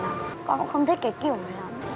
con cũng không thích cái kiểu này lắm